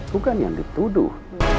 bukan yang dituduh